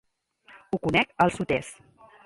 Ho conec al sud-est.